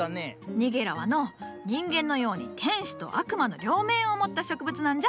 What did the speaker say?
ニゲラはのう人間のように「天使」と「悪魔」の両面をもった植物なんじゃ。